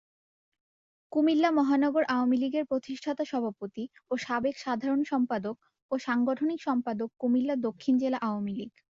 কুমিল্লা মহানগর আওয়ামীলীগের প্রতিষ্ঠাতা সভাপতি ও সাবেক সাধারণ সম্পাদক ও সাংগঠনিক সম্পাদক কুমিল্লা দক্ষিণ জেলা আওয়ামীলীগ।